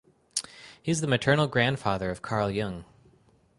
He is the maternal grandfather of Carl Jung.